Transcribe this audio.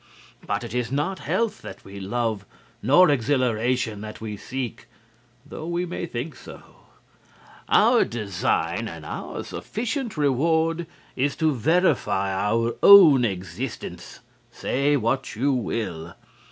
But it is not health that we love nor exhilaration that we seek, though we may think so; our design and our sufficient reward is to verify our own existence, say what you will.